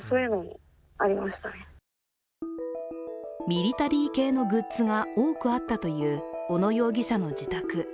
ミリタリー系のグッズが多くあったという小野容疑者の自宅。